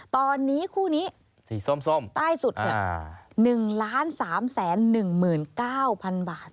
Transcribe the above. ตอนนี้คู่นี้ใต้สุดนี่๑๓๓๙๐๐๐บาท